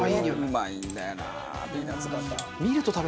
うまいんだよなあピーナッツバター。